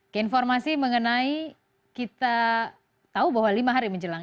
keinformasi mengenai kita tahu bahwa lima hari menjelang